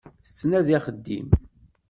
Tettnadi axeddim.